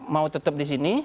mau tetep disini